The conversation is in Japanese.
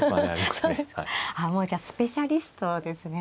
ああもうじゃあスペシャリストですね。